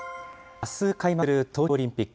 あす開幕する東京オリンピック。